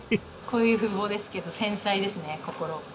こういう風貌ですけど繊細ですね心。